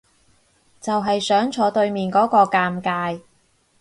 就係想坐對面嗰個尷尬